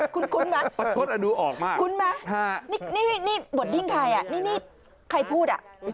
คุ้นมั้ยคุ้นมั้ยนี่บททิศไทยนี่ใครพูด